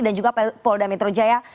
juga polda metro jaya